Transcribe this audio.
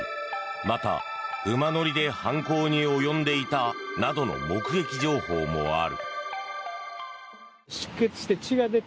また、馬乗りで犯行に及んでいたなどの目撃情報もある。